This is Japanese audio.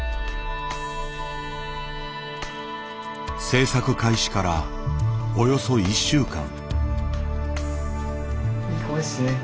制作開始からおよそ１週間。